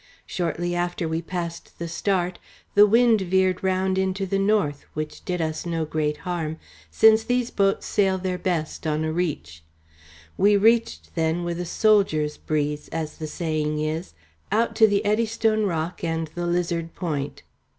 Shortly after we passed the Start the wind veered round into the north, which did us no great harm, since these boats sail their best on a reach. We reached then with a soldier's breeze, as the saying is, out to the Eddystone Rock and the Lizard Point.